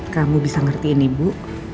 kamu bisa ngertiin ibu